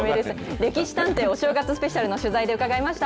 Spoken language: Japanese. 歴史探偵、お正月スペシャルの取材でうかがいました。